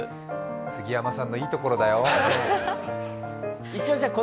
杉山さんのいいところだよ。